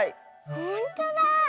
ほんとだあ。